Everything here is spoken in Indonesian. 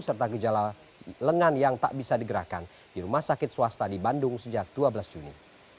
serta gejala lengan yang tak bisa digerakkan di rumah sakit swasta di bandung sejak dua belas juni